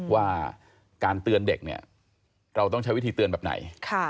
ว่าการเตือนเด็กเนี่ยเราต้องใช้วิธีเตือนแบบไหน